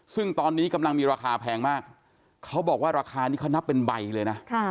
ซึ่งตอนนี้กำลังมีราคาแพงมากเขาบอกว่าราคานี้เขานับเป็นใบเลยนะ